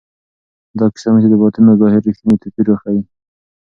دا کیسه موږ ته د باطن او ظاهر رښتینی توپیر راښیي.